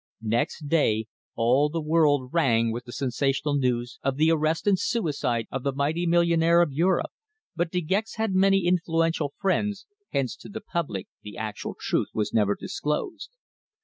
Next day all the world rang with the sensational news of the arrest and suicide of the mighty millionaire of Europe, but De Gex had many influential friends, hence to the public the actual truth was never disclosed.